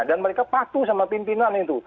dan mereka patuh sama pimpinan itu